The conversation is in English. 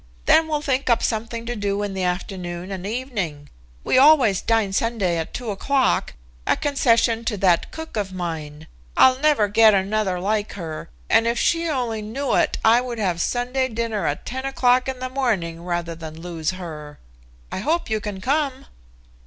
"Then we'll think up something to do in the afternoon and evening. We always dine Sunday at 2 o'clock, a concession to that cook of mine. I'll never get another like her, and if she only knew it I would have Sunday dinner at 10 o'clock in the morning rather than lose her. I do hope you can come."